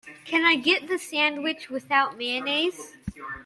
Can I get the sandwich without mayonnaise?